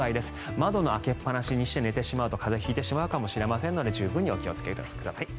窓を開けっぱなしにして寝てしまうと風邪を引いてしまうかもしれませんので十分にお気をつけください。